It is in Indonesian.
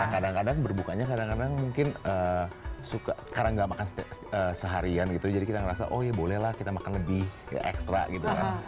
kadang kadang berbukanya kadang kadang mungkin suka karena gak makan seharian gitu jadi kita ngerasa oh ya bolehlah kita makan lebih ekstra gitu kan